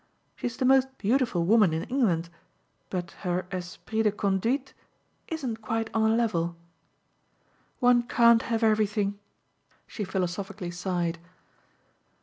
She's the most beautiful woman in England, but her esprit de conduite isn't quite on a level. One can't have everything!" she philosophically sighed.